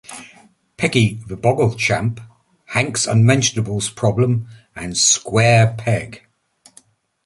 "Peggy the Boggle Champ", "Hank's Unmentionables Problem", and "Square Peg".